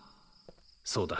そうだ！